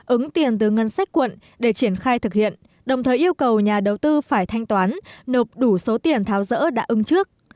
ứng tiền từ ngân sách quận để triển khai thực hiện đồng thời yêu cầu nhà đầu tư phải thanh toán nộp đủ số tiền tháo rỡ đã ứng trước